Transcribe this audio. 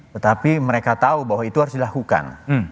tetapi mereka tahu bahwa itu harus dilakukan